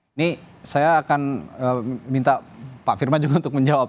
ini saya akan minta pak firman juga untuk menjawab